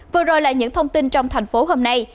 vừa rồi là những thông tin trong thành phố hôm nay